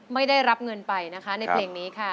ไม่ได้รับเงินไปนะคะในเพลงนี้ค่ะ